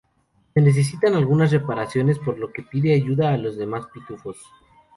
Se necesita algunas reparaciones, por lo que pide ayuda a los demás pitufos.